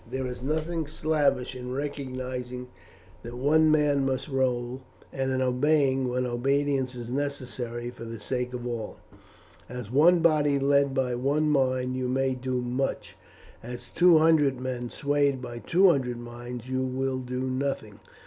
There is nothing slavish in recognizing that one man must rule, and in obeying when obedience is necessary for the sake of all. As one body led by one mind you may do much; as two hundred men swayed by two hundred minds you will do nothing.